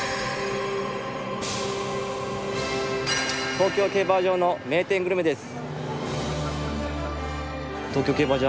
東京競馬場の名店グルメです！